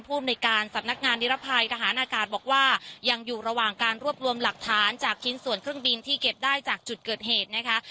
ภูมิในการสำนักงานนิรภัยทหารอากาศบอกว่ายังอยู่ระหว่างการรวบรวมหลักฐานจากชิ้นส่วนเครื่องบินที่เก็บได้จากจุดเกิดเหตุนะคะ